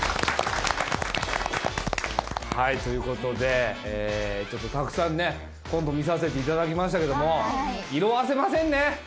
はいということでちょっとたくさんねコント見させていただきましたけども色あせませんね。